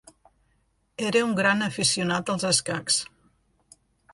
Era un gran aficionat als escacs.